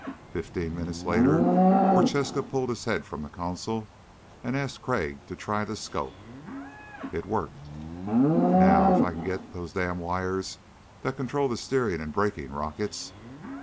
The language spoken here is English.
Fifteen minutes later Prochaska pulled his head from the console and asked Crag to try the scope. It worked. "Now if I can get those damn wires that control the steering and braking rockets